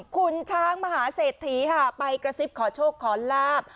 คุณช้างมหาเศรษฐีค่ะไปกระซิบขอโชคขอลาบ